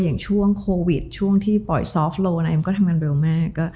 อย่างช่วงโควิดช่วงที่ปล่อยซอฟโลอะไรมันก็ทำงานเร็วมาก